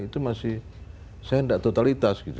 itu masih saya hendak totalitas